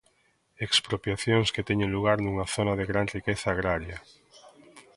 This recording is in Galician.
Expropiacións que teñen lugar nunha zona de gran riqueza agraria.